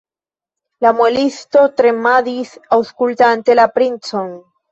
La muelisto tremadis, aŭskultante la princon.